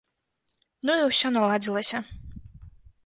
Ну і ўсё наладзілася.